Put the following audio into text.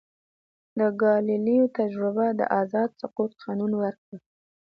د ګالیلیو تجربه د آزاد سقوط قانون ورکړ.